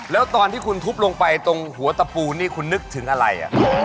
แล้วตอนที่คุณทุบลงไปตรงหัวตะปูนี่คุณนึกถึงอะไร